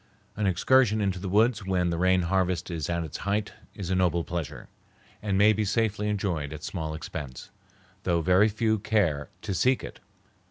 An excursion into the woods when the rain harvest is at its height is a noble pleasure, and may be safely enjoyed at small expense, though very few care to seek it.